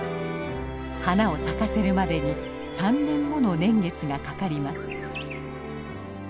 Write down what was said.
花を咲かせるまでに３年もの年月がかかります。